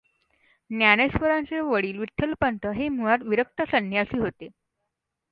ज्ञानेश्वरांचे वडील विठ्ठलपंत हे मुळात विरक्त संन्यासी होते.